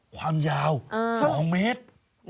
ความยาว๒เมตร